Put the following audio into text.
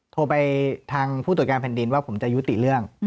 โทรไปทางผู้ตรวจการแผ่นดินว่าผมจะยุติเรื่อง